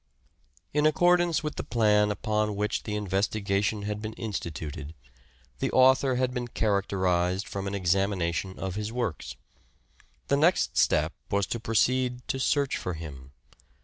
Choice of a In accordance with the plan upon which the in guide. vestigation had been instituted, the author had been characterized from an examination of his works. The next step was to proceed to search for him.